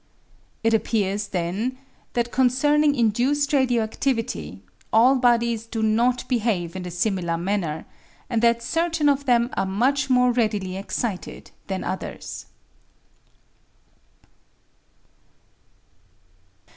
Its appears, then, that concerning induced radio adivity all bodies do not behave in a similar manner, and that certain of them are much more readily excited than others.